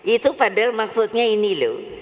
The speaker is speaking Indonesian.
itu padahal maksudnya ini loh